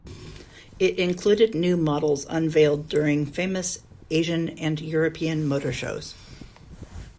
It included new models unveiled during famous Asian and European Motor Shows.